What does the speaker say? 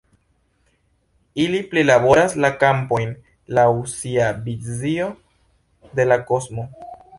Ili prilaboras la kampojn laŭ sia vizio de la kosmo.